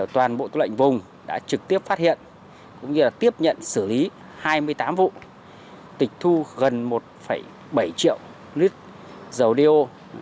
toàn bộ tư lệnh vùng đã trực tiếp phát hiện cũng như tiếp nhận xử lý hai mươi tám vụ tịch thu gần một bảy triệu lít dầu đeo